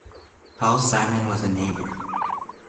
Paul Simon was a neighbor.